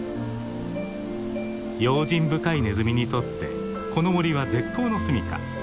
用心深いネズミにとってこの森は絶好のすみか。